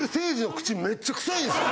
口めっちゃ臭いんですよ。